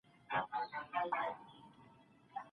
که ړوند ډاکټر په ګڼ ځای کي اوږده کیسه ونه کړي، چوپتیا به وي.